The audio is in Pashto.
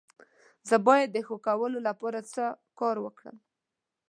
زه باید د ښه کولو لپاره څه کار وکړم؟